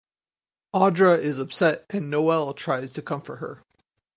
Audra is upset and Noel tries to comfort her.